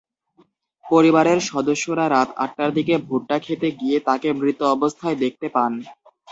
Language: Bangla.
পরিবারের সদস্যরা রাত আটটার দিকে ভুট্টাখেতে গিয়ে তাঁকে মৃত অবস্থায় দেখতে পান।